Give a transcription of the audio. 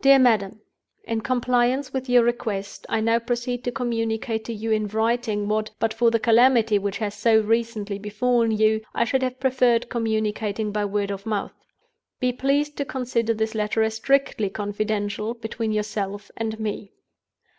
"DEAR MADAM, "In compliance with your request, I now proceed to communicate to you in writing what (but for the calamity which has so recently befallen you) I should have preferred communicating by word of mouth. Be pleased to consider this letter as strictly confidential between yourself and me.